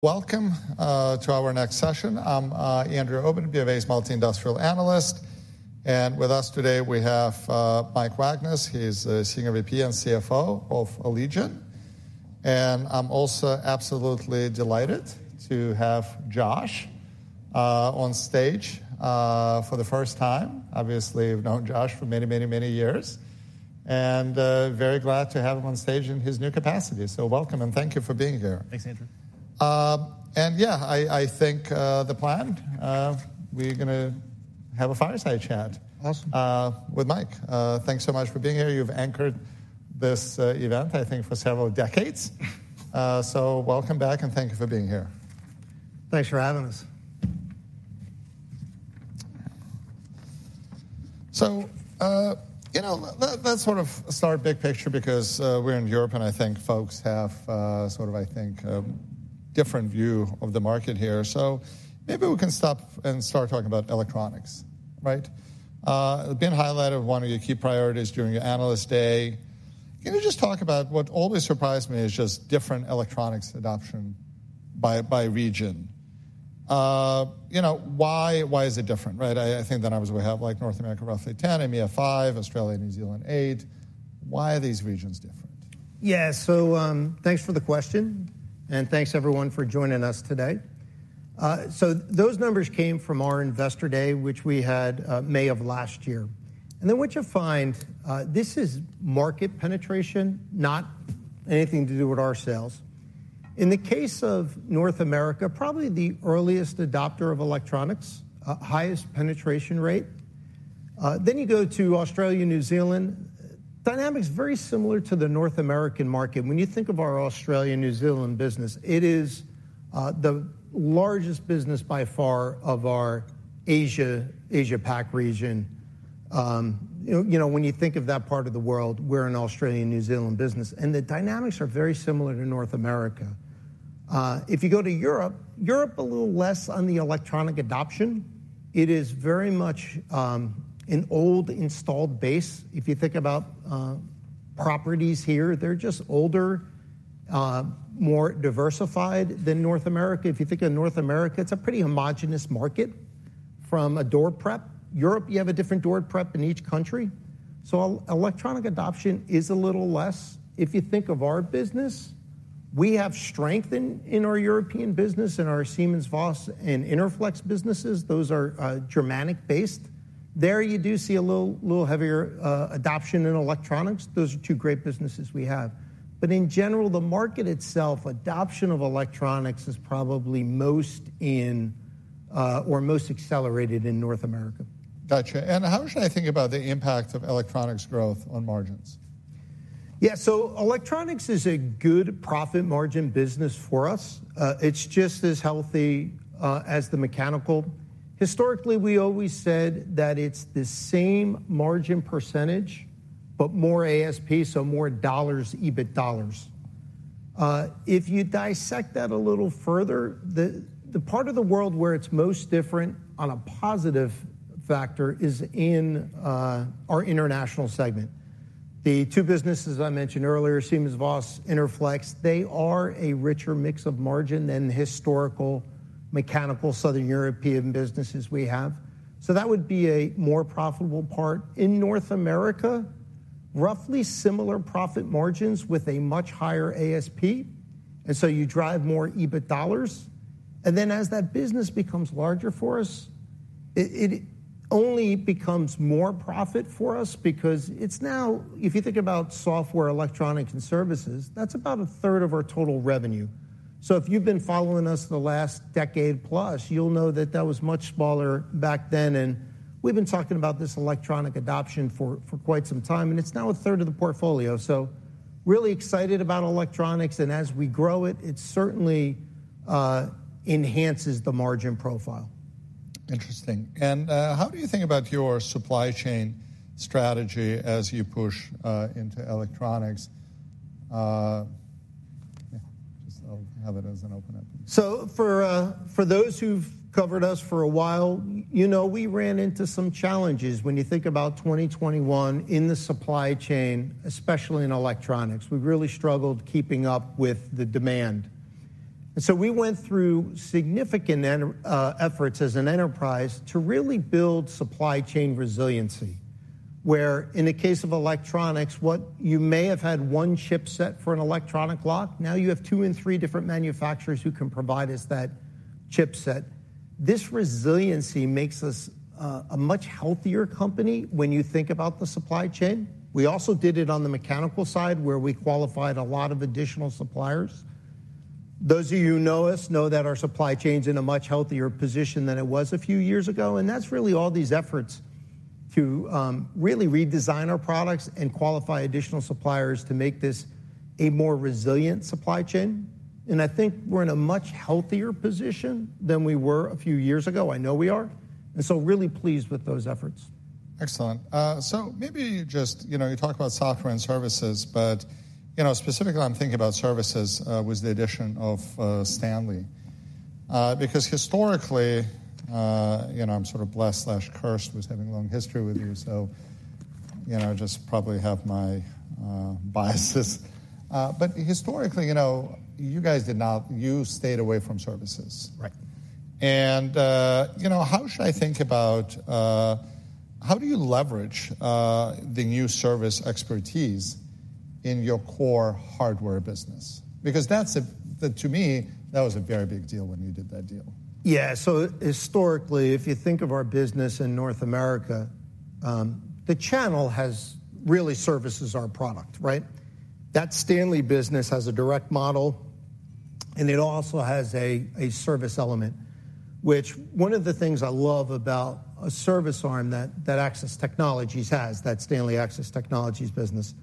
Welcome to our next session. I'm Andrew Obin, BofA's multi-industry analyst. And with us today we have Mike Wagnes. He's a Senior VP and CFO of Allegion. And I'm also absolutely delighted to have Josh on stage for the first time. Obviously, you've known Josh for many, many, many years. And very glad to have him on stage in his new capacity. So welcome, and thank you for being here. Thanks, Andrew. Yeah, I, I think the plan, we're going to have a fireside chat. Awesome. with Mike. Thanks so much for being here. You've anchored this event, I think, for several decades. So welcome back, and thank you for being here. Thanks for having us. So, you know, let's sort of start big picture because, we're in Europe, and I think folks have, sort of, I think, a different view of the market here. So maybe we can stop and start talking about electronics, right? It's been highlighted as one of your key priorities during your Analyst Day. Can you just talk about what always surprised me is just different electronics adoption by, by region? You know, why, why is it different, right? I think then obviously we have, like, North America roughly 10, EMEA 5, Australia, New Zealand 8. Why are these regions different? Yeah, so, thanks for the question. Thanks, everyone, for joining us today. So those numbers came from our Investor Day, which we had, May of last year. Then what you'll find, this is market penetration, not anything to do with our sales. In the case of North America, probably the earliest adopter of electronics, highest penetration rate. You go to Australia, New Zealand. Dynamics very similar to the North American market. When you think of our Australia, New Zealand business, it is, the largest business by far of our Asia, Asia-Pac region. You know, you know, when you think of that part of the world, we're an Australia, New Zealand business. And the dynamics are very similar to North America. You go to Europe, Europe a little less on the electronic adoption. It is very much, an old installed base. If you think about properties here, they're just older, more diversified than North America. If you think of North America, it's a pretty homogeneous market from a door prep. Europe, you have a different door prep in each country. So electronic adoption is a little less. If you think of our business, we have strength in our European business and our SimonsVoss and Interflex businesses. Those are German-based. There you do see a little heavier adoption in electronics. Those are two great businesses we have. But in general, the market itself, adoption of electronics is probably most, or most accelerated in North America. Got you. And how should I think about the impact of electronics growth on margins? Yeah, so electronics is a good profit margin business for us. It's just as healthy as the mechanical. Historically, we always said that it's the same margin percentage but more ASP, so more dollars, EBIT dollars. If you dissect that a little further, the part of the world where it's most different on a positive factor is in our international segment. The two businesses I mentioned earlier, SimonsVoss, Interflex, they are a richer mix of margin than historical mechanical Southern European businesses we have. So that would be a more profitable part. In North America, roughly similar profit margins with a much higher ASP. And so you drive more EBIT dollars. And then as that business becomes larger for us, it only becomes more profit for us because it's now, if you think about software, electronic, and services, that's about a third of our total revenue. So if you've been following us the last decade plus, you'll know that that was much smaller back then. And we've been talking about this electronic adoption for, for quite some time. And it's now a third of the portfolio. So really excited about electronics. And as we grow it, it certainly, enhances the margin profile. Interesting. How do you think about your supply chain strategy as you push into electronics? Yeah, just I'll have it as an open-up. So, for those who've covered us for a while, you know, we ran into some challenges. When you think about 2021 in the supply chain, especially in electronics, we really struggled keeping up with the demand. And so we went through significant efforts as an enterprise to really build supply chain resiliency. Where in the case of electronics, what you may have had one chipset for an electronic lock, now you have two and three different manufacturers who can provide us that chipset. This resiliency makes us a much healthier company when you think about the supply chain. We also did it on the mechanical side where we qualified a lot of additional suppliers. Those of you who know us know that our supply chain's in a much healthier position than it was a few years ago. And that's really all these efforts to, really redesign our products and qualify additional suppliers to make this a more resilient supply chain. And I think we're in a much healthier position than we were a few years ago. I know we are. And so really pleased with those efforts. Excellent. So maybe you just, you know, you talk about software and services, but, you know, specifically I'm thinking about services, was the addition of, Stanley. Because historically, you know, I'm sort of blessed/cursed with having a long history with you. So, you know, I just probably have my, biases. But historically, you know, you guys did not you stayed away from services. Right. You know, how should I think about, how do you leverage, the new service expertise in your core hardware business? Because that's to me a very big deal when you did that deal. Yeah, so historically, if you think of our business in North America, the channel has really serviced our product, right? That Stanley business has a direct model. And it also has a service element, which one of the things I love about a service arm that Access Technologies has, that Stanley Access Technologies business,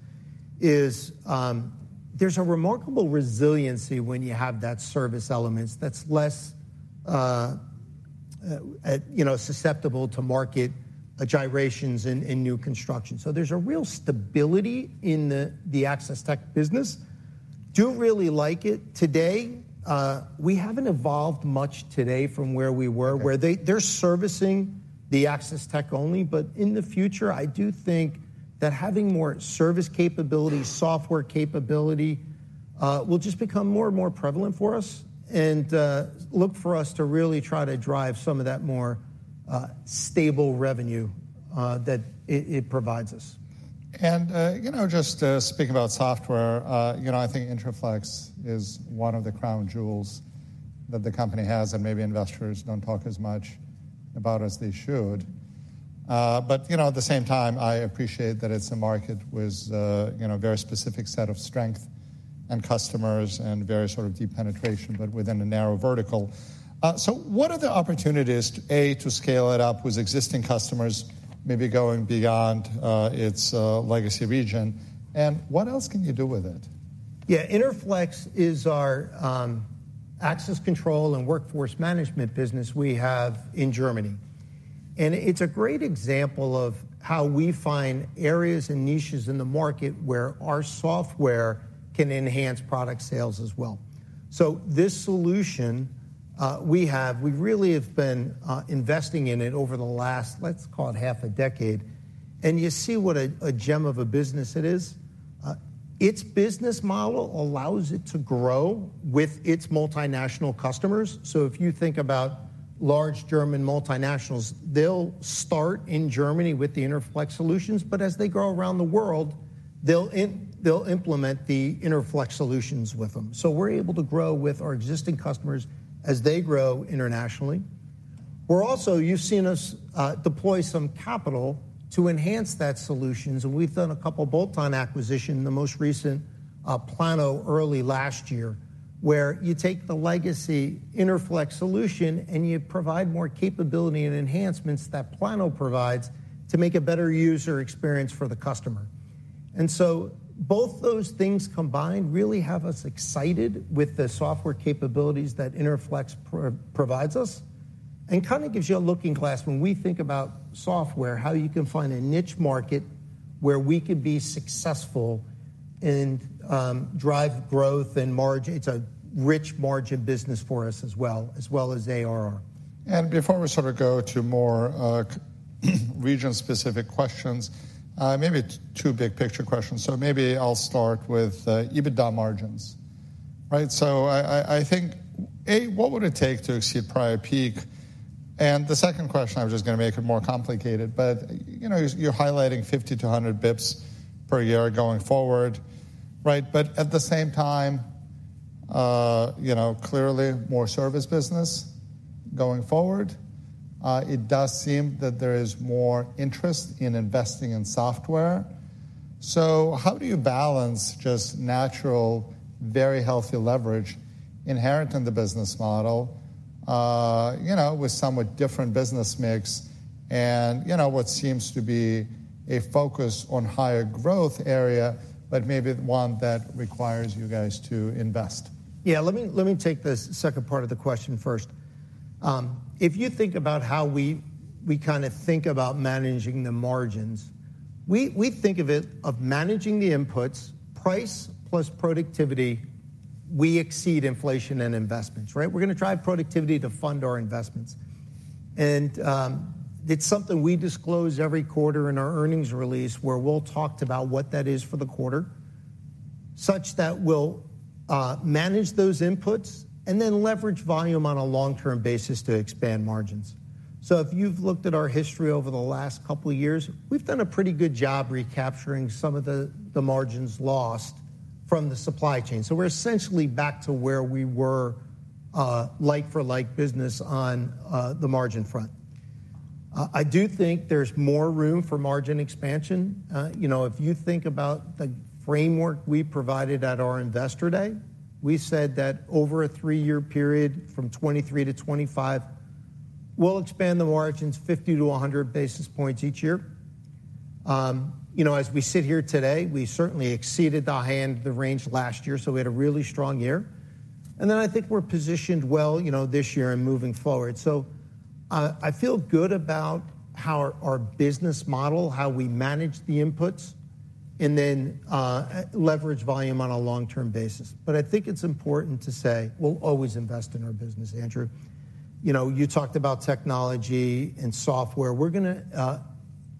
is there's a remarkable resiliency when you have that service element that's less, you know, susceptible to market gyrations in new construction. So there's a real stability in the Access Tech business. I do really like it today. We haven't evolved much today from where we were, where they're servicing the Access Tech only. But in the future, I do think that having more service capability, software capability, will just become more and more prevalent for us, and look for us to really try to drive some of that more stable revenue that it provides us. And, you know, just speaking about software, you know, I think Interflex is one of the crown jewels that the company has. And maybe investors don't talk as much about as they should. But, you know, at the same time, I appreciate that it's a market with, you know, a very specific set of strength and customers and very sort of deep penetration, but within a narrow vertical. So what are the opportunities to, A, to scale it up with existing customers, maybe going beyond its legacy region? And what else can you do with it? Yeah, Interflex is our access control and workforce management business we have in Germany. And it's a great example of how we find areas and niches in the market where our software can enhance product sales as well. So this solution, we really have been investing in it over the last, let's call it, half a decade. And you see what a gem of a business it is. Its business model allows it to grow with its multinational customers. So if you think about large German multinationals, they'll start in Germany with the Interflex solutions. But as they grow around the world, they'll implement the Interflex solutions with them. So we're able to grow with our existing customers as they grow internationally. We're also, you've seen us deploy some capital to enhance that solutions. We've done a couple bolt-on acquisitions, the most recent, Plano early last year, where you take the legacy Interflex solution and you provide more capability and enhancements that Plano provides to make a better user experience for the customer. So both those things combined really have us excited with the software capabilities that Interflex provides us and kind of gives you a looking glass when we think about software, how you can find a niche market where we could be successful and drive growth and margin. It's a rich margin business for us as well as ARR. Before we sort of go to more, region-specific questions, maybe two big picture questions. Maybe I'll start with EBITDA margins, right? I think what would it take to exceed prior peak? And the second question, I was just going to make it more complicated. But you know, you're highlighting 50-100 basis points per year going forward, right? But at the same time, you know, clearly more service business going forward. It does seem that there is more interest in investing in software. So how do you balance just natural, very healthy leverage inherent in the business model, you know, with somewhat different business mix and, you know, what seems to be a focus on higher growth area, but maybe one that requires you guys to invest? Yeah, let me let me take this second part of the question first. If you think about how we, we kind of think about managing the margins, we, we think of it of managing the inputs, price plus productivity. We exceed inflation and investments, right? We're going to drive productivity to fund our investments. It's something we disclose every quarter in our earnings release where we'll talk about what that is for the quarter such that we'll, manage those inputs and then leverage volume on a long-term basis to expand margins. So if you've looked at our history over the last couple of years, we've done a pretty good job recapturing some of the, the margins lost from the supply chain. So we're essentially back to where we were, like-for-like business on, the margin front. I do think there's more room for margin expansion. You know, if you think about the framework we provided at our Investor Day, we said that over a three-year period from 2023 to 2025, we'll expand the margins 50-100 basis points each year. You know, as we sit here today, we certainly exceeded the high end, the range last year. So we had a really strong year. And then I think we're positioned well, you know, this year and moving forward. So I, I feel good about how our, our business model, how we manage the inputs, and then, leverage volume on a long-term basis. But I think it's important to say we'll always invest in our business. Andrew, you know, you talked about technology and software. We're going to,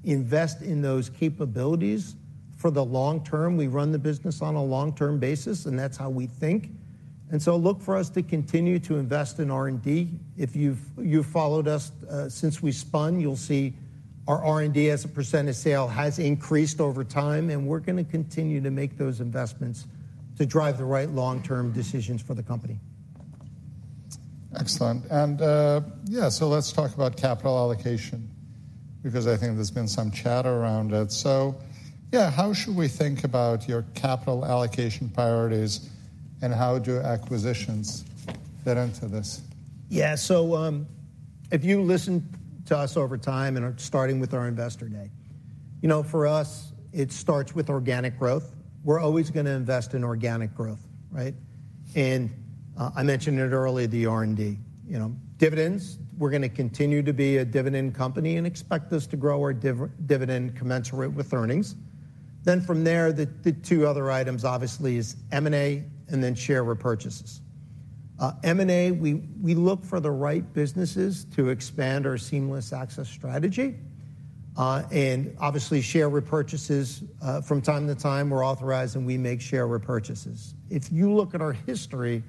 invest in those capabilities for the long term. We run the business on a long-term basis. And that's how we think. And so look for us to continue to invest in R&D. If you've followed us since we spun, you'll see our R&D as a percentage sale has increased over time. And we're going to continue to make those investments to drive the right long-term decisions for the company. Excellent. And, yeah, so let's talk about capital allocation because I think there's been some chatter around it. So yeah, how should we think about your capital allocation priorities? And how do acquisitions fit into this? Yeah, so, if you listen to us over time and are starting with our Investor Day, you know, for us, it starts with organic growth. We're always going to invest in organic growth, right? I mentioned it earlier, the R&D, you know, dividends. We're going to continue to be a dividend company and expect us to grow our dividend commensurate with earnings. Then from there, the two other items obviously is M&A and then share repurchases. M&A, we look for the right businesses to expand our Seamless Access strategy. And obviously, share repurchases, from time to time, we're authorized and we make share repurchases. If you look at our history,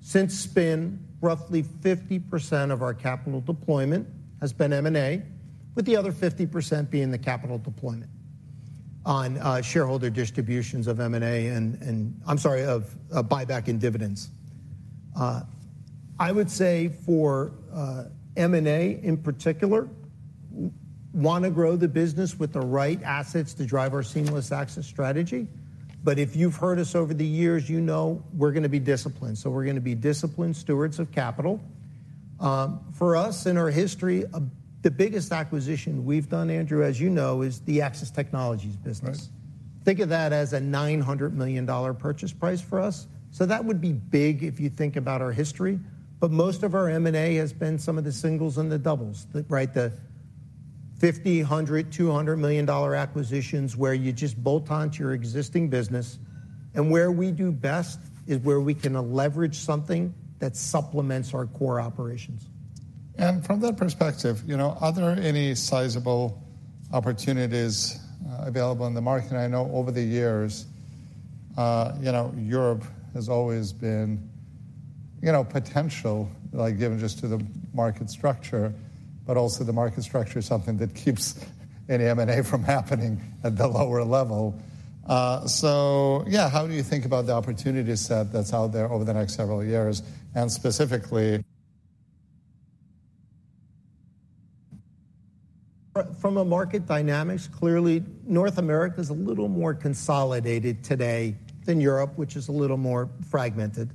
since spin, roughly 50% of our capital deployment has been M&A, with the other 50% being the capital deployment on shareholder distributions, buyback and dividends. I would say for M&A in particular, want to grow the business with the right assets to drive our Seamless Access strategy. But if you've heard us over the years, you know we're going to be disciplined. So we're going to be disciplined stewards of capital. For us in our history, the biggest acquisition we've done, Andrew, as you know, is the Access Technologies business. Right. Think of that as a $900 million purchase price for us. So that would be big if you think about our history. But most of our M&A has been some of the singles and the doubles, the right, the $50 million, $100 million, $200 million acquisitions where you just bolt onto your existing business. And where we do best is where we can leverage something that supplements our core operations. And from that perspective, you know, are there any sizable opportunities available in the market? And I know over the years, you know, Europe has always been, you know, potential, like, given just to the market structure, but also the market structure is something that keeps any M&A from happening at the lower level. So yeah, how do you think about the opportunity set that's out there over the next several years and specifically? From a market dynamics, clearly, North America is a little more consolidated today than Europe, which is a little more fragmented.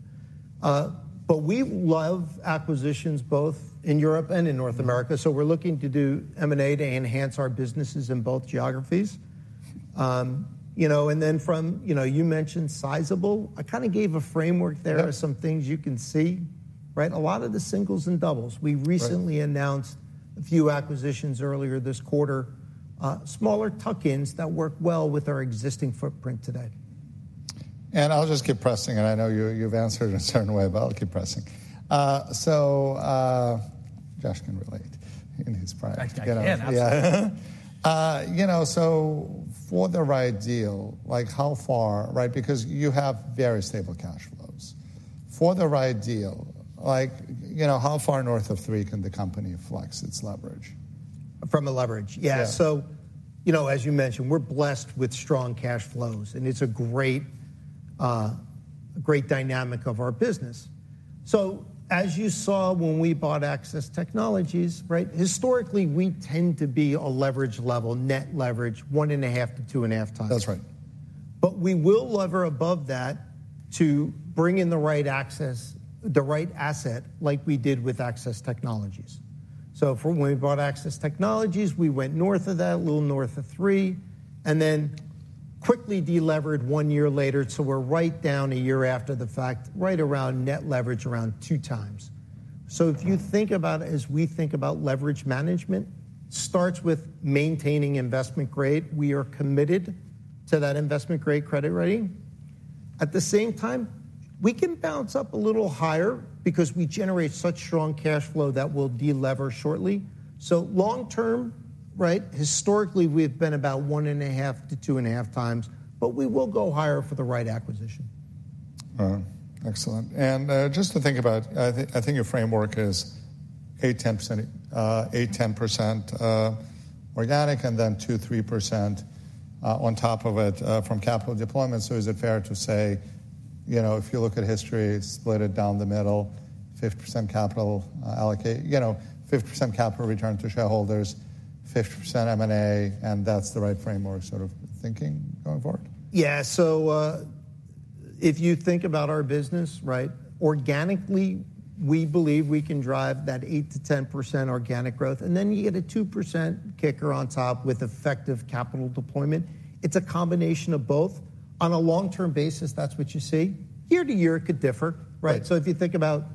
But we love acquisitions both in Europe and in North America. So we're looking to do M&A to enhance our businesses in both geographies. You know, and then from, you know, you mentioned sizable. I kind of gave a framework there of some things you can see, right? A lot of the singles and doubles. We recently announced a few acquisitions earlier this quarter, smaller tuck-ins that work well with our existing footprint today. I'll just keep pressing. I know you, you've answered in a certain way, but I'll keep pressing. So, Josh can relate in his prior role. Yeah. You know, so for the right deal, like, how far, right, because you have very stable cash flows. For the right deal, like, you know, how far north of three can the company flex its leverage? From a leverage, yeah. So, you know, as you mentioned, we're blessed with strong cash flows. And it's a great, a great dynamic of our business. So as you saw when we bought Access Technologies, right, historically, we tend to be a leverage level, net leverage, 1.5-2.5x. That's right. But we will lever above that to bring in the right access, the right asset, like we did with Access Technologies. So for when we bought Access Technologies, we went north of that, a little north of 3x, and then quickly delevered one year later. So we're right down a year after the fact, right around net leverage, around 2x. So if you think about it as we think about leverage management, it starts with maintaining investment grade. We are committed to that investment grade credit rating. At the same time, we can bounce up a little higher because we generate such strong cash flow that will delever shortly. So long term, right, historically, we've been about 1.5-2.5x. But we will go higher for the right acquisition. Excellent. And just to think about, I think, I think your framework is 8%-10%, 8%-10% organic, and then 2%-3% on top of it from capital deployment. So is it fair to say, you know, if you look at history, split it down the middle, 50% capital allocate, you know, 50% capital return to shareholders, 50% M&A, and that's the right framework sort of thinking going forward? Yeah, so, if you think about our business, right, organically, we believe we can drive that 8%-10% organic growth. And then you get a 2% kicker on top with effective capital deployment. It's a combination of both. On a long-term basis, that's what you see. Year-to-year, it could differ, right? So if you think about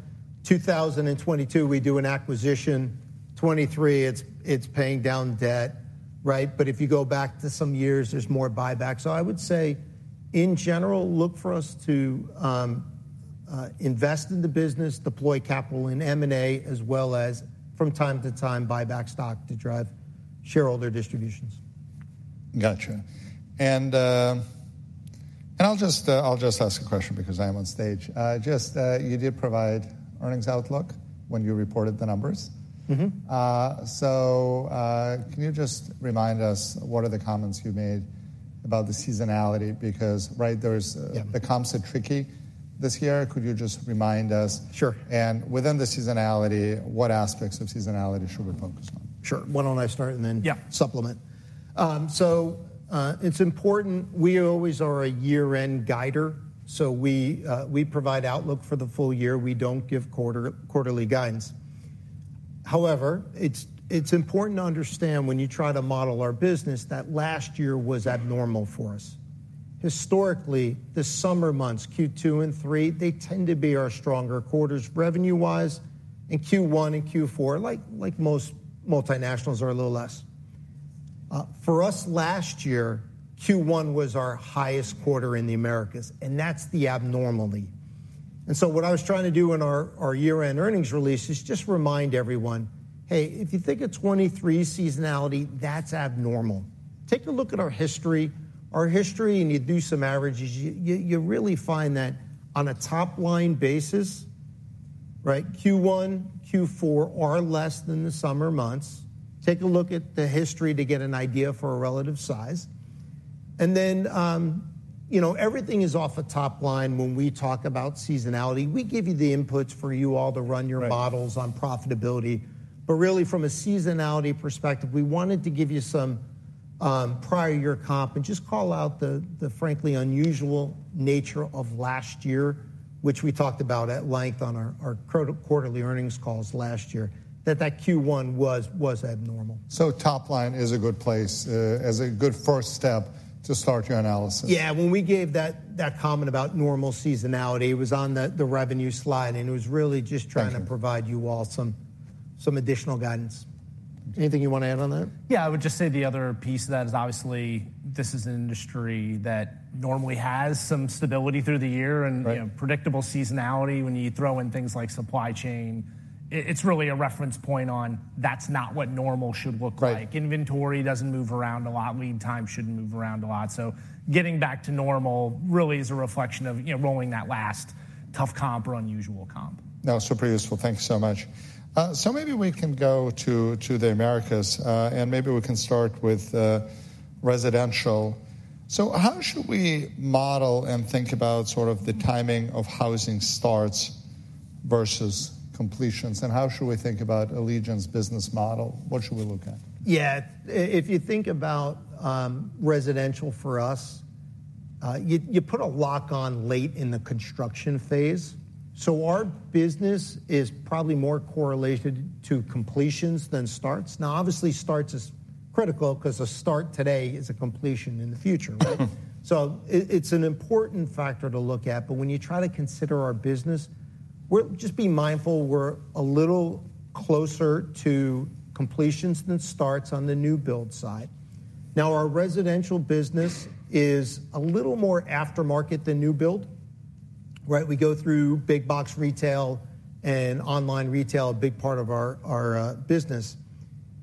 2022, we do an acquisition. 2023, it's, it's paying down debt, right? But if you go back to some years, there's more buyback. So I would say, in general, look for us to, invest in the business, deploy capital in M&A, as well as from time to time, buyback stock to drive shareholder distributions. Got you. And I'll just ask a question because I am on stage. You did provide earnings outlook when you reported the numbers. Mm-hmm. So, can you just remind us what are the comments you made about the seasonality because, right, there's the comps are tricky this year? Could you just remind us? Sure. Within the seasonality, what aspects of seasonality should we focus on? Sure. Why don't I start and then. Yeah. So, it's important. We always are a year-end guider. So we, we provide outlook for the full year. We don't give quarter-quarterly guidance. However, it's, it's important to understand when you try to model our business that last year was abnormal for us. Historically, the summer months, Q2 and 3, they tend to be our stronger quarters revenue-wise. And Q1 and Q4, like, like most multinationals are a little less. For us last year, Q1 was our highest quarter in the Americas. And that's the abnormality. And so what I was trying to do in our, our year-end earnings release is just remind everyone, "Hey, if you think of 2023 seasonality, that's abnormal." Take a look at our history. Our history, and you do some averages, you, you, you really find that on a top-line basis, right, Q1, Q4 are less than the summer months. Take a look at the history to get an idea for a relative size. Then, you know, everything is off a top line when we talk about seasonality. We give you the inputs for you all to run your models on profitability. But really, from a seasonality perspective, we wanted to give you some, prior-year comp and just call out the, the frankly unusual nature of last year, which we talked about at length on our, our quarterly earnings calls last year, that that Q1 was, was abnormal. Top line is a good place, as a good first step to start your analysis? Yeah, when we gave that comment about normal seasonality, it was on the revenue slide. And it was really just trying to provide you all some additional guidance. Anything you want to add on that? Yeah, I would just say the other piece of that is obviously, this is an industry that normally has some stability through the year and, you know, predictable seasonality. When you throw in things like supply chain, it's really a reference point on, that's not what normal should look like. Inventory doesn't move around a lot. Lead time shouldn't move around a lot. So getting back to normal really is a reflection of, you know, rolling that last tough comp or unusual comp. No, super useful. Thank you so much. So maybe we can go to the Americas. Maybe we can start with residential. So how should we model and think about sort of the timing of housing starts versus completions? And how should we think about Allegion's business model? What should we look at? Yeah, if you think about residential for us, you put a lock on late in the construction phase. So our business is probably more correlated to completions than starts. Now, obviously, starts is critical because a start today is a completion in the future, right? So it's an important factor to look at. But when you try to consider our business, just be mindful we're a little closer to completions than starts on the new build side. Now, our residential business is a little more aftermarket than new build, right? We go through big box retail and online retail, a big part of our business.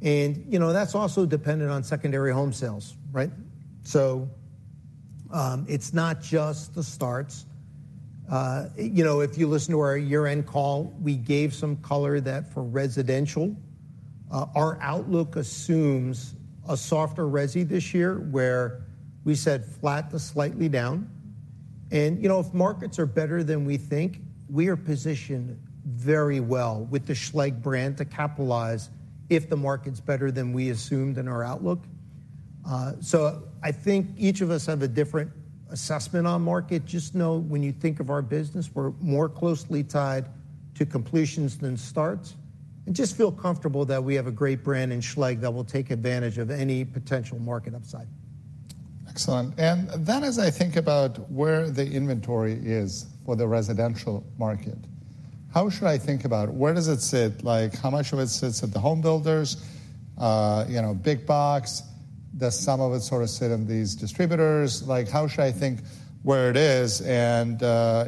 And, you know, that's also dependent on secondary home sales, right? So, it's not just the starts. You know, if you listen to our year-end call, we gave some color that for residential, our outlook assumes a softer resi this year where we said flat to slightly down. And, you know, if markets are better than we think, we are positioned very well with the Schlage brand to capitalize if the market's better than we assumed in our outlook. So I think each of us have a different assessment on market. Just know when you think of our business, we're more closely tied to completions than starts. And just feel comfortable that we have a great brand in Schlage that will take advantage of any potential market upside. Excellent. And then, as I think about where the inventory is for the residential market, how should I think about it? Where does it sit? Like, how much of it sits at the home builders, you know, big box? Does some of it sort of sit in these distributors? Like, how should I think where it is and,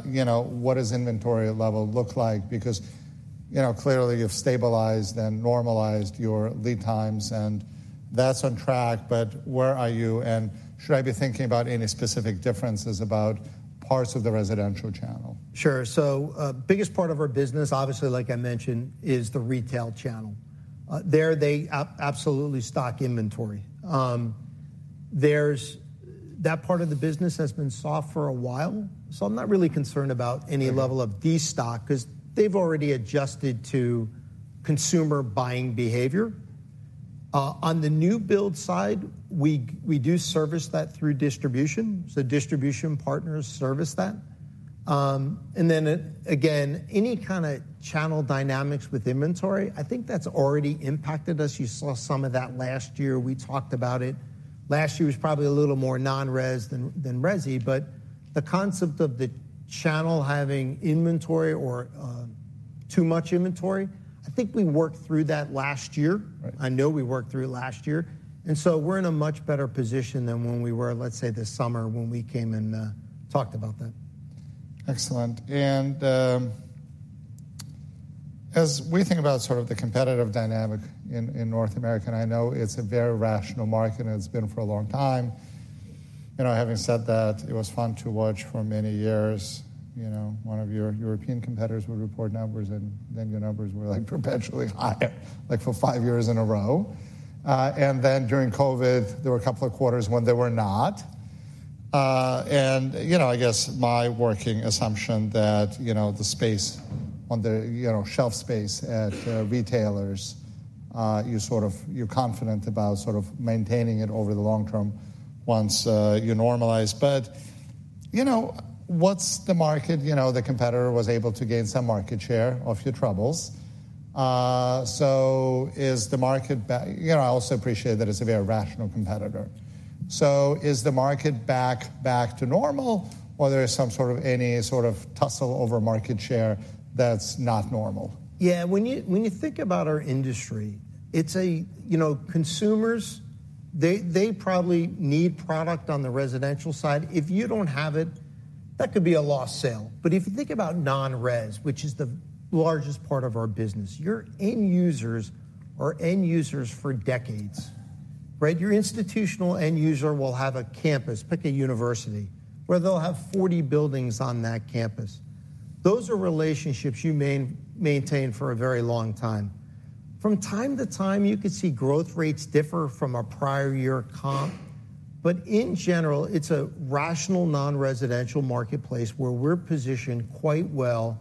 you know, what does inventory level look like? Because, you know, clearly, you've stabilized and normalized your lead times. And that's on track. But where are you? And should I be thinking about any specific differences about parts of the residential channel? Sure. So, the biggest part of our business, obviously, like I mentioned, is the retail channel. There, they absolutely stock inventory. There's that part of the business has been soft for a while. So I'm not really concerned about any level of destock because they've already adjusted to consumer buying behavior. On the new build side, we do service that through distribution. So distribution partners service that. And then again, any kind of channel dynamics with inventory, I think that's already impacted us. You saw some of that last year. We talked about it. Last year was probably a little more non-res than resi. But the concept of the channel having inventory or too much inventory, I think we worked through that last year. Right. I know we worked through it last year. So we're in a much better position than when we were, let's say, this summer when we came and talked about that. Excellent. As we think about sort of the competitive dynamic in North America, and I know it's a very rational market, and it's been for a long time, you know, having said that, it was fun to watch for many years, you know, one of your European competitors would report numbers. Then your numbers were, like, perpetually higher, like, for five years in a row. Then during COVID, there were a couple of quarters when there were not. You know, I guess my working assumption that, you know, the space on the, you know, shelf space at retailers, you sort of you're confident about sort of maintaining it over the long term once you normalize. But, you know, what's the market? You know, the competitor was able to gain some market share off your troubles. So is the market back, you know? I also appreciate that it's a very rational competitor. So is the market back, back to normal, or there is some sort of any sort of tussle over market share that's not normal? Yeah, when you when you think about our industry, it's a, you know, consumers, they, they probably need product on the residential side. If you don't have it, that could be a lost sale. But if you think about non-res, which is the largest part of our business, your end users are end users for decades, right? Your institutional end user will have a campus, pick a university, where they'll have 40 buildings on that campus. Those are relationships you maintain for a very long time. From time to time, you could see growth rates differ from a prior-year comp. But in general, it's a rational non-residential marketplace where we're positioned quite well,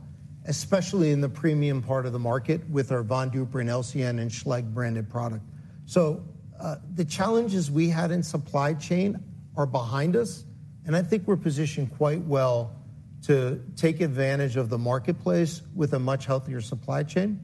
especially in the premium part of the market with our Von Duprin and LCN and Schlage branded product. So, the challenges we had in supply chain are behind us. I think we're positioned quite well to take advantage of the marketplace with a much healthier supply chain.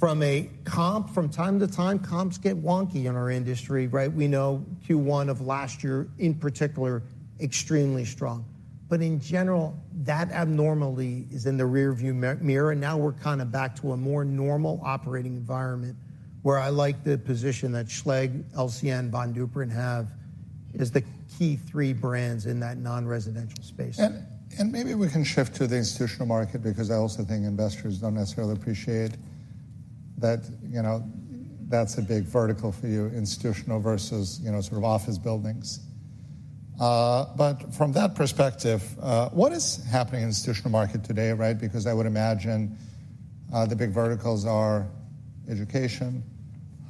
From a comp, from time to time, comps get wonky in our industry, right? We know Q1 of last year, in particular, extremely strong. But in general, that abnormality is in the rearview mirror. And now we're kind of back to a more normal operating environment where I like the position that Schlage, LCN, Von Duprin have as the key three brands in that non-residential space. And maybe we can shift to the institutional market because I also think investors don't necessarily appreciate that, you know, that's a big vertical for you, institutional versus, you know, sort of office buildings. But from that perspective, what is happening in the institutional market today, right? Because I would imagine, the big verticals are education,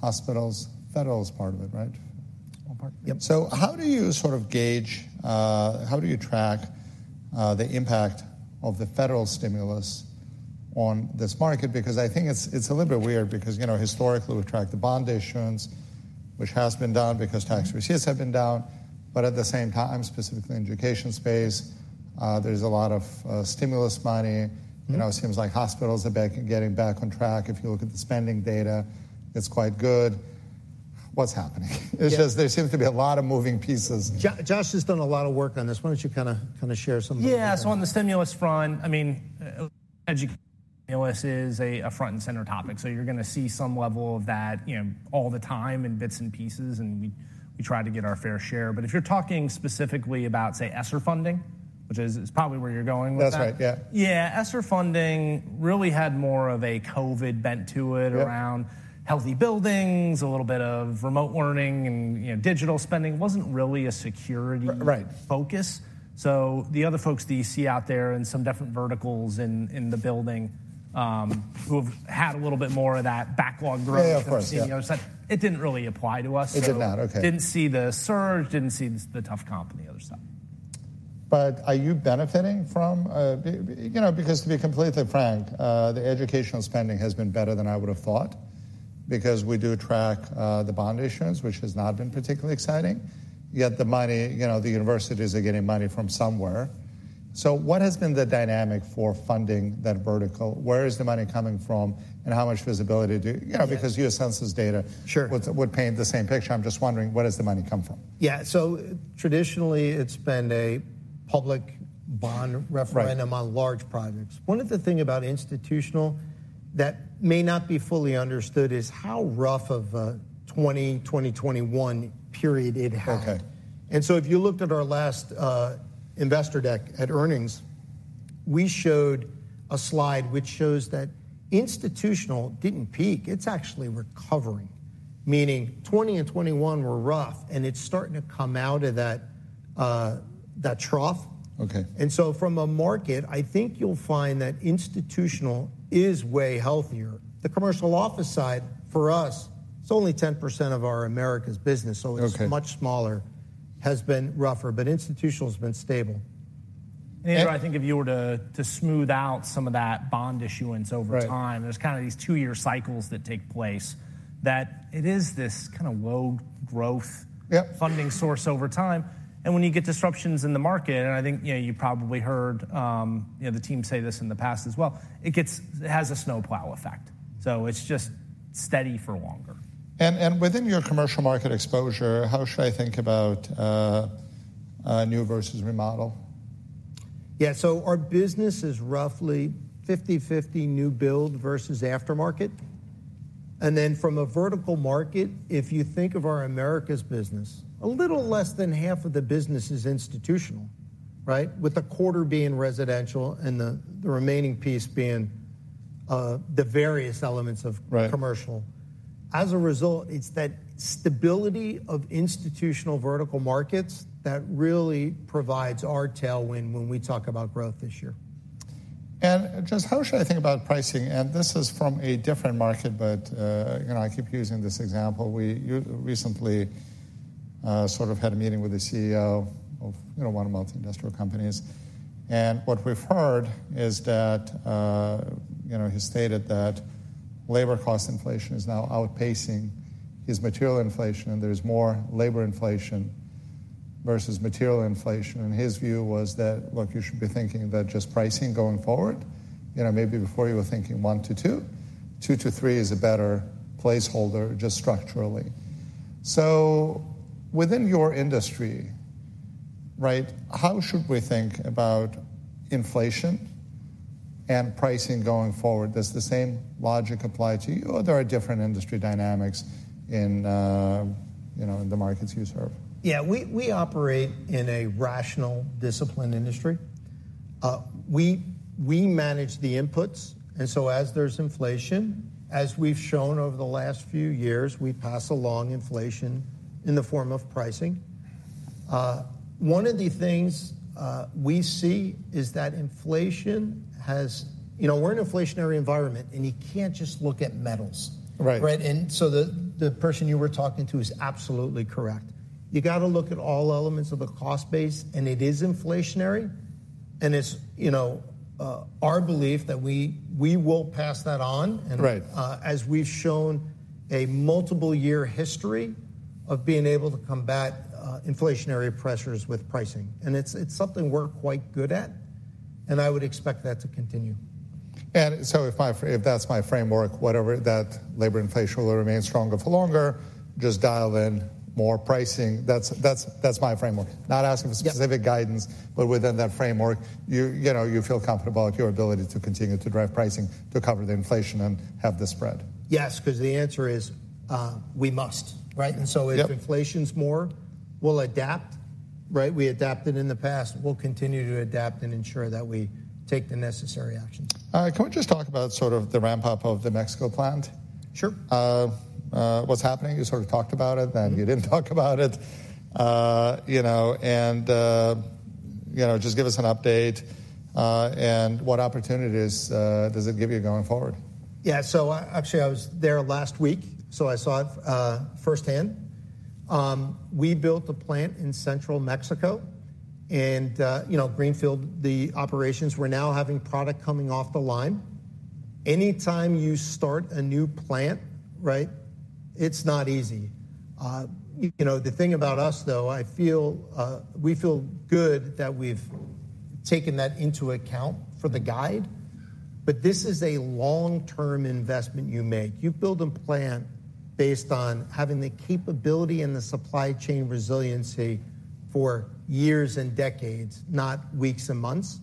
hospitals, federal is part of it, right? One part. Yes. So how do you sort of gauge, how do you track, the impact of the federal stimulus on this market? Because I think it's a little bit weird because, you know, historically, we've tracked the bond issuance, which has been done because tax receipts have been down. But at the same time, specifically in the education space, there's a lot of stimulus money. You know, it seems like hospitals are getting back on track. If you look at the spending data, it's quite good. What's happening? It's just, there seems to be a lot of moving pieces. Josh has done a lot of work on this. Why don't you kind of share some of the? Yeah, so on the stimulus front, I mean, education stimulus is a front and center topic. So you're going to see some level of that, you know, all the time in bits and pieces. And we try to get our fair share. But if you're talking specifically about, say, ESSER funding, which is probably where you're going with that. That's right, yeah. Yeah, ESSER funding really had more of a COVID bent to it around healthy buildings, a little bit of remote learning, and, you know, digital spending. It wasn't really a security. Right. Focus. So the other folks that you see out there in some different verticals in the building, who have had a little bit more of that backlog growth. Yeah, of course, yeah. Of CEOs, that it didn't really apply to us, so. It did not, okay. Didn't see the surge, didn't see the tough comp and the other stuff. But are you benefiting from, you know, because to be completely frank, the educational spending has been better than I would have thought because we do track the bond issuance, which has not been particularly exciting. Yet the money, you know, the universities are getting money from somewhere. So what has been the dynamic for funding that vertical? Where is the money coming from? And how much visibility do you know, because U.S. Census data. Sure. Would paint the same picture. I'm just wondering, where does the money come from? Yeah, so traditionally, it's been a public bond referendum on large projects. One of the things about institutional that may not be fully understood is how rough of a 2020-2021 period it had. Okay. And so if you looked at our last investor deck at earnings, we showed a slide which shows that institutional didn't peak. It's actually recovering, meaning 2020 and 2021 were rough. And it's starting to come out of that trough. Okay. And so from a market, I think you'll find that institutional is way healthier. The commercial office side, for us, it's only 10% of our Americas business. So it's. Okay. Much smaller, has been rougher. Institutional has been stable. Andrew, I think if you were to smooth out some of that bond issuance over time. Right. There's kind of these 2-year cycles that take place that it is this kind of low growth. Yes. Funding source over time. When you get disruptions in the market, and I think, you know, you probably heard, you know, the team say this in the past as well, it gets it has a snowplow effect. So it's just steady for longer. And within your commercial market exposure, how should I think about new versus remodel? Yeah, so our business is roughly 50/50 new build versus aftermarket. And then from a vertical market, if you think of our Americas business, a little less than 1/2 of the business is institutional, right, with 1/4 being residential and the, the remaining piece being, the various elements of. Right. Commercial. As a result, it's that stability of institutional vertical markets that really provides our tailwind when we talk about growth this year. Josh, how should I think about pricing? This is from a different market. But, you know, I keep using this example. You recently, sort of had a meeting with the CEO of, you know, one of the multi-industrial companies. What we've heard is that, you know, he stated that labor cost inflation is now outpacing his material inflation. There's more labor inflation versus material inflation. His view was that, look, you should be thinking that just pricing going forward, you know, maybe before you were thinking 1-2, 2-3 is a better placeholder just structurally. So within your industry, right, how should we think about inflation and pricing going forward? Does the same logic apply to you, or are there different industry dynamics in, you know, in the markets you serve? Yeah, we operate in a rational, disciplined industry. We manage the inputs. And so as there's inflation, as we've shown over the last few years, we pass along inflation in the form of pricing. One of the things we see is that inflation has, you know, we're in an inflationary environment. And you can't just look at metals. Right. Right? And so the person you were talking to is absolutely correct. You gotta look at all elements of the cost base. And it is inflationary. And it's, you know, our belief that we will pass that on. Right. As we've shown a multiple-year history of being able to combat inflationary pressures with pricing. It's something we're quite good at. I would expect that to continue. And so if that's my framework, whatever, that labor inflation will remain stronger for longer, just dial in more pricing. That's my framework, not asking for specific guidance. But within that framework, you know you feel comfortable at your ability to continue to drive pricing to cover the inflation and have the spread. Yes, because the answer is, we must, right? Yes. If inflation's more, we'll adapt, right? We adapted in the past. We'll continue to adapt and ensure that we take the necessary actions. Can we just talk about sort of the ramp-up of the Mexico plant? Sure. What's happening? You sort of talked about it. Then you didn't talk about it. You know, and, you know, just give us an update, and what opportunities does it give you going forward? Yeah, so I actually, I was there last week. So I saw it firsthand. We built a plant in central Mexico. You know, greenfield, the operations, we're now having product coming off the line. Anytime you start a new plant, right, it's not easy. You know, the thing about us, though, I feel, we feel good that we've taken that into account for the guide. But this is a long-term investment you make. You build a plant based on having the capability and the supply chain resiliency for years and decades, not weeks and months.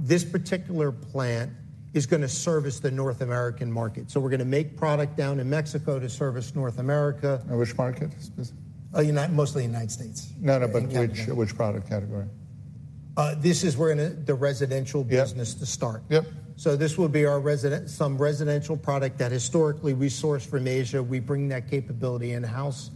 This particular plant is going to service the North American market. So we're going to make product down in Mexico to service North America. Which market specifically? United, mostly the United States. No, no, but which, which product category? This is. We're going to the residential business to start. Yes, Yes. So this will be our residential, some residential product that historically we sourced from Asia. We bring that capability in-house.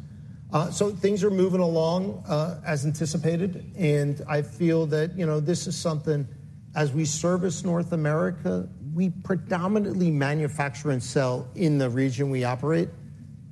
Things are moving along, as anticipated. And I feel that, you know, this is something as we service North America, we predominantly manufacture and sell in the region we operate.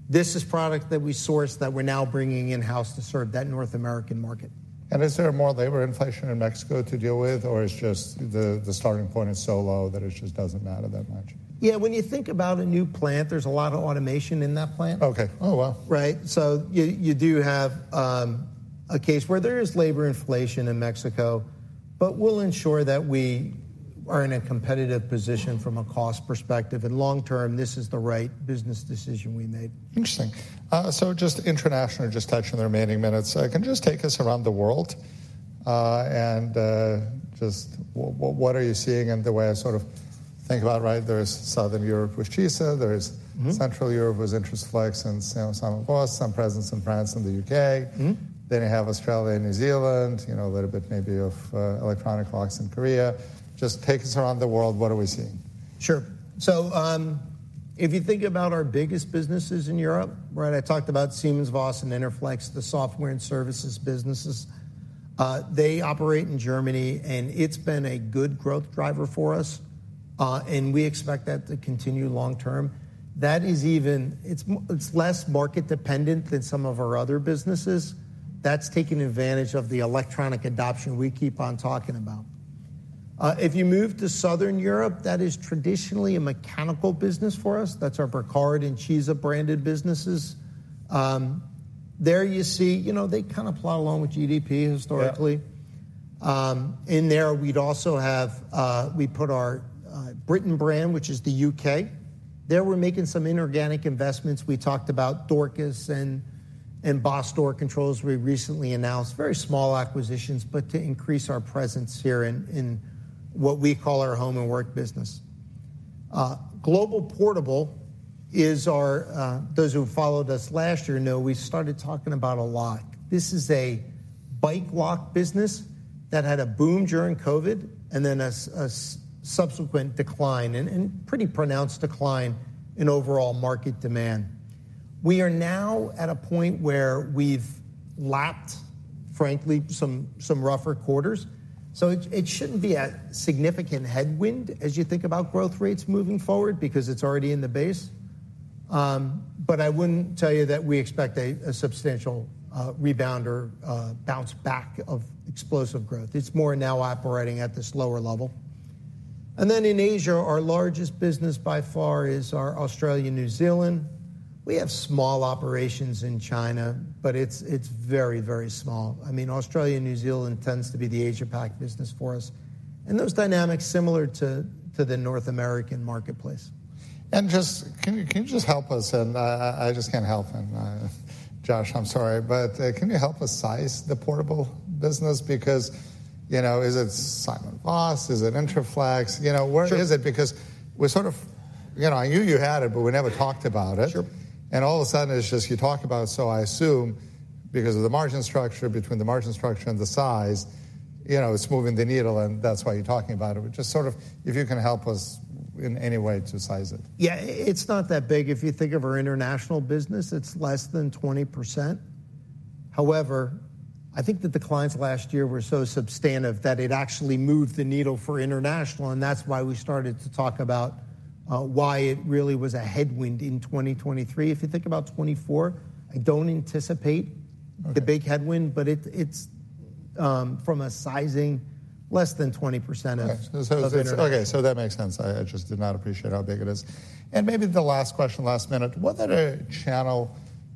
This is product that we source that we're now bringing in-house to serve that North American market. Is there more labor inflation in Mexico to deal with, or is just the starting point so low that it just doesn't matter that much? Yeah, when you think about a new plant, there's a lot of automation in that plant. Okay, oh, wow. Right? So you do have a case where there is labor inflation in Mexico. But we'll ensure that we are in a competitive position from a cost perspective. Long term, this is the right business decision we made. Interesting. So just international, just touching the remaining minutes. Can you just take us around the world, and just what, what, what are you seeing in the way I sort of think about, right? There's Southern Europe with CISA. There's. Mm-hmm. Central Europe with Interflex and SimonsVoss, some presence in France and the U.K. Mm-hmm. Then you have Australia and New Zealand, you know, a little bit maybe of Electronic Locks and Korea. Just take us around the world. What are we seeing? Sure. So, if you think about our biggest businesses in Europe, right, I talked about SimonsVoss and Interflex, the software and services businesses. They operate in Germany. And it's been a good growth driver for us. And we expect that to continue long term. That is even it's, it's less market-dependent than some of our other businesses. That's taking advantage of the electronic adoption we keep on talking about. If you move to Southern Europe, that is traditionally a mechanical business for us. That's our Bricard and CISA branded businesses. There you see, you know, they kind of plot along with GDP historically. Yeah. In there, we'd also have we put our Briton brand, which is the U.K. There we're making some inorganic investments. We talked about Dorcas and Boss Door Controls we recently announced, very small acquisitions, but to increase our presence here in what we call our home and work business. Global Portable is our—those who followed us last year know we started talking about a lot. This is a bike lock business that had a boom during COVID and then a subsequent decline and pretty pronounced decline in overall market demand. We are now at a point where we've lapped, frankly, some rougher quarters. So it shouldn't be a significant headwind as you think about growth rates moving forward because it's already in the base. But I wouldn't tell you that we expect a substantial rebound or bounce back of explosive growth. It's more now operating at this lower level. And then in Asia, our largest business by far is our Australia and New Zealand. We have small operations in China. But it's very, very small. I mean, Australia and New Zealand tends to be the Asia-Pac business for us. And those dynamics similar to the North American marketplace. Josh, can you just help us? I just can't help. Josh, I'm sorry. But can you help us size the portable business? Because, you know, is it SimonsVoss? Is it Interflex? You know, where is it? Because we sort of, you know, I knew you had it, but we never talked about it. Sure. All of a sudden, it's just you talk about it, so I assume, because of the margin structure, between the margin structure and the size, you know, it's moving the needle. That's why you're talking about it. Just sort of, if you can help us in any way to size it? Yeah, it's not that big. If you think of our international business, it's less than 20%. However, I think the declines last year were so substantive that it actually moved the needle for international. And that's why we started to talk about why it really was a headwind in 2023. If you think about 2024, I don't anticipate the big headwind. But it, it's, from a sizing, less than 20% of. Okay, so it's okay, so that makes sense. I just did not appreciate how big it is. And maybe the last question, last minute. What are the channel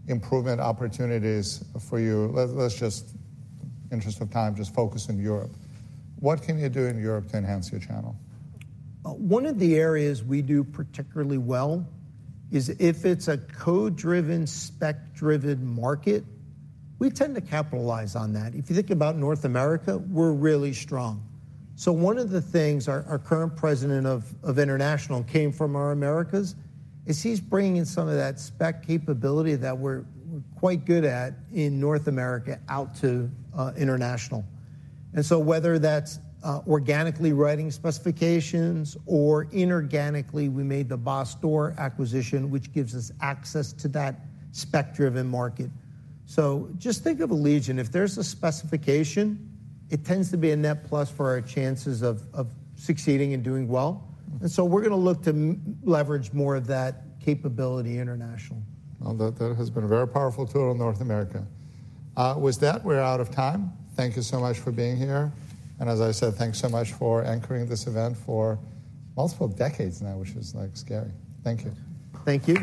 improvement opportunities for you? Let's just, in the interest of time, just focus on Europe. What can you do in Europe to enhance your channel? One of the areas we do particularly well is if it's a code-driven, spec-driven market, we tend to capitalize on that. If you think about North America, we're really strong. So one of the things our current president of international came from our Americas is he's bringing in some of that spec capability that we're quite good at in North America out to international. And so whether that's organically writing specifications or inorganically, we made the Boss Door acquisition, which gives us access to that spec-driven market. So just think of Allegion. If there's a specification, it tends to be a net plus for our chances of succeeding and doing well. And so we're going to look to leverage more of that capability international. Well, that, that has been a very powerful tool in North America. With that, we're out of time. Thank you so much for being here. And as I said, thanks so much for anchoring this event for multiple decades now, which is, like, scary. Thank you. Thank you.